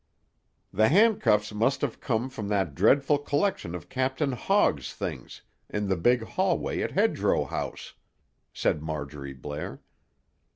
"The handcuffs must have come from that dreadful collection of Captain Hogg's things, in the big hallway at Hedgerow House," said Marjorie Blair.